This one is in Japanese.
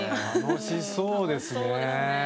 楽しそうですね。